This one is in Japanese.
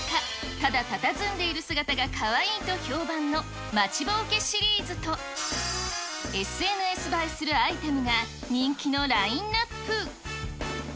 ただたたずんでいる姿がかわいいと評判のまちぼうけシリーズと、ＳＮＳ映えするアイテムが人気のラインナップ。